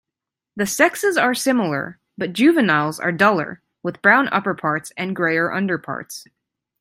The sexes are similar, but juveniles are duller, with brown upperparts and greyer underparts.